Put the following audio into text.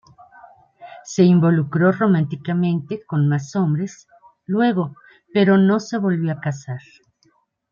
Se involucró románticamente con más hombres luego, pero no se volvió a casar.